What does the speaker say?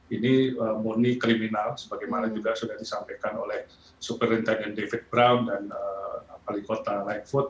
ini murni kriminal sebagaimana juga sudah disampaikan oleh superintenden david brown dan wali kota lightfoot